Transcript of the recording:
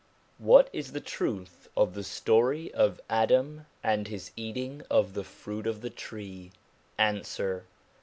What is the truth of the story of Adam, and his eating of the fruit of the tree ? Answer.